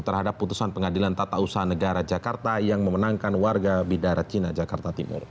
terhadap putusan pengadilan tata usaha negara jakarta yang memenangkan warga bidara cina jakarta timur